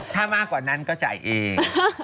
ถ้ามากกว่านั้นก็จ่ายเอง